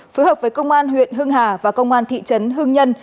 phối hợp với công an huyện hưng hà và công an thị trấn hưng nhân